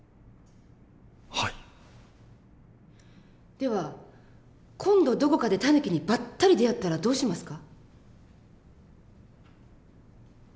では今度どこかでタヌキにばったり出会ったらどうしますか？